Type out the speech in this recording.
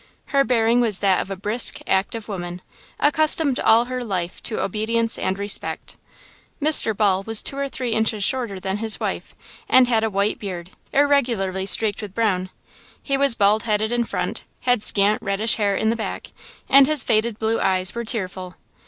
Her bearing was that of a brisk, active woman, accustomed all her life to obedience and respect. Mr. Ball was two or three inches shorter than his wife, and had a white beard, irregularly streaked with brown. He was baldheaded in front, had scant, reddish hair in the back, and his faded blue eyes were tearful.